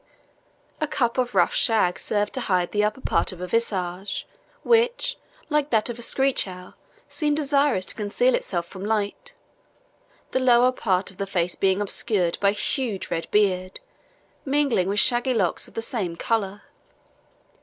A cap of rough shag served to hide the upper part of a visage which, like that of a screech owl, seemed desirous to conceal itself from light, the lower part of the face being obscured by a huge red beard, mingling with shaggy locks of the same colour.